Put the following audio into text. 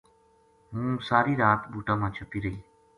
ہوں ساری رات بُوٹاں ما چھَپی رہی